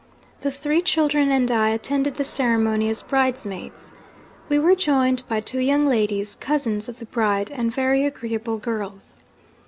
The three children and I attended the ceremony as bridesmaids. We were joined by two young ladies, cousins of the bride and very agreeable girls.